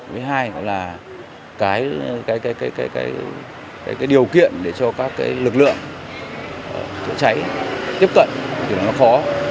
với hai là cái điều kiện để cho các lực lượng cháy tiếp cận thì nó khó